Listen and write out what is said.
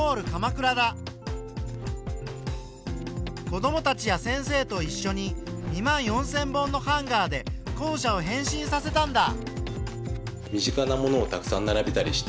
子どもたちや先生と一しょに２万４，０００本のハンガーで校舎を変身させたんだ。